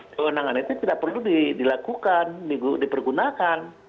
kewenangan itu tidak perlu dilakukan dipergunakan